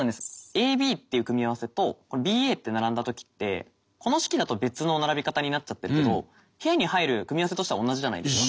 ＡＢっていう組み合わせとＢＡって並んだ時ってこの式だと別の並び方になっちゃってるけど部屋に入る組み合わせとしては同じじゃないですか。